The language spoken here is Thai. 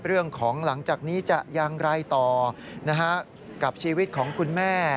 หลังจากนี้จะอย่างไรต่อกับชีวิตของคุณแม่